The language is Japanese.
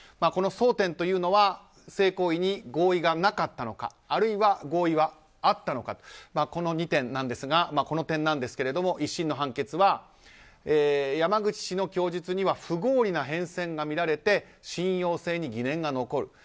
この争点は性行為に合意がなかったのかあるいは合意はあったのかというこの２点なんですが、この点１審の判決は山口氏の供述には不合理な変遷が見られて信用性に疑念が残る。